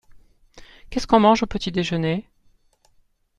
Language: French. Qu’est-ce qu’on mange au petit-déjeuner ?